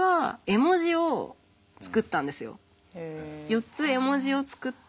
４つ絵文字を作って。